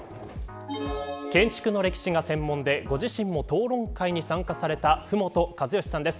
建築の歴史が専門でご自身も討論会に参加された麓和善さんです。